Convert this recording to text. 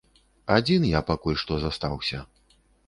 Адзін я пакуль што застаўся.